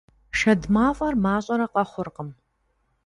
Шэд мафӀэр мащӀэрэ къэхъуркъым.